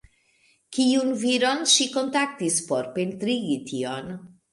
Kiun viron ŝi kontaktis por pentrigi tion?